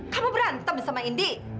kamu berantem sama indi